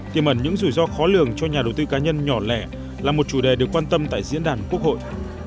tiềm ẩn những rủi ro khó lường cho nhà đầu tư cá nhân nhỏ lẻ là một chủ đề được quan tâm tại diễn đàn quốc hội